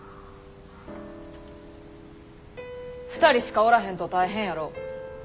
２人しかおらへんと大変やろ。